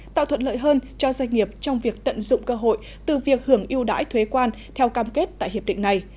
tạo thuận lợi hơn cho doanh nghiệp trong việc tận dụng cơ hội từ việc hưởng yêu đãi thuế quan theo cam kết tại hiệp định này